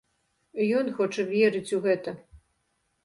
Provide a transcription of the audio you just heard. Ён хоча верыць у гэта.